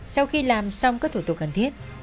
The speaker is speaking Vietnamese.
sau khi làm xong các thủ tục cần thiết